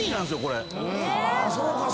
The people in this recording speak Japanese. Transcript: そうか。